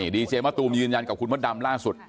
ดีเจมะตูมยืนยันกับคุณมดดำล่าสุด